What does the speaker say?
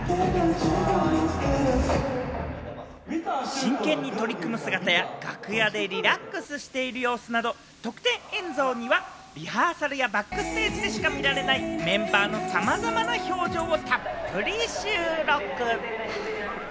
真剣に取り組む姿や、楽屋でリラックスしている様子など特典映像には、リハーサルやバックステージでしか見られないメンバーのさまざまな表情をたっぷり収録。